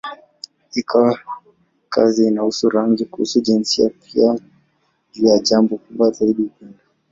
Ikiwa kazi inahusu rangi, kuhusu jinsia, pia ni juu ya jambo kubwa zaidi: upendo.